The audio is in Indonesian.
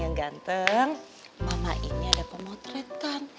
yang ganteng mama ini ada pemotretan